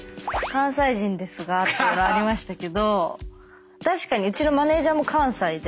「関西人ですが」っていうのありましたけど確かにうちのマネージャーも関西で。